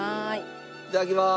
いただきます。